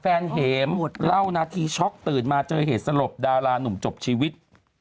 เห็มเล่านาทีช็อกตื่นมาเจอเหตุสลบดารานุ่มจบชีวิต